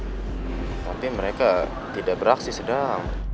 tapi mereka tidak beraksi sedang